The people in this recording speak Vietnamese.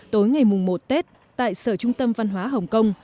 tối ngày một tết tại sở trung tâm văn hóa hồng kông